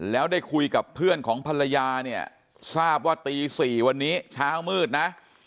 แล้วได้คุยกับเพื่อนของภรรยาเนี่ยทราบว่าตี๔วันนี้เช้ามืดนะ